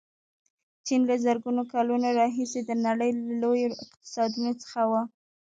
چین له زرګونو کلونو راهیسې د نړۍ له لویو اقتصادونو څخه و.